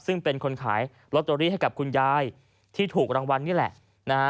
ซึ่งเป็นคนขายลอตเตอรี่ให้กับคุณยายที่ถูกรางวัลนี่แหละนะฮะ